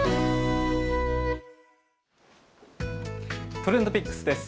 ＴｒｅｎｄＰｉｃｋｓです。